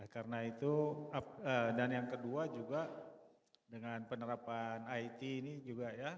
karena itu dan yang kedua juga dengan penerapan it ini juga ya